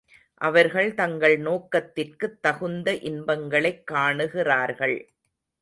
அவர்கள் தங்கள் நோக்கத்திற்குத் தகுந்த இன்பங்களைக் காணுகிறார்கள்.